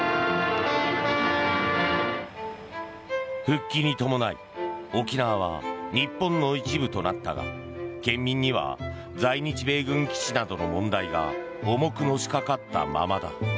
復帰に伴い沖縄は日本の一部となったが県民には在日米軍基地などの問題が重くのしかかったままだ。